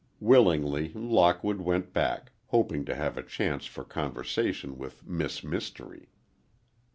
Willingly, Lockwood went back, hoping to have a chance for conversation with Miss Mystery.